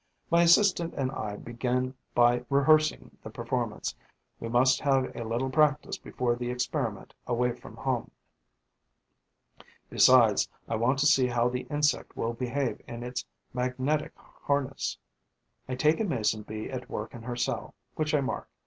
My assistant and I begin by rehearsing the performance; we must have a little practice before trying the experiment away from home. Besides, I want to see how the insect will behave in its magnetic harness. I take a Mason bee at work in her cell, which I mark.